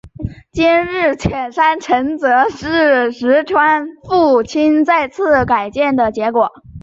今日的犬山城则是石川贞清再次改建的结果。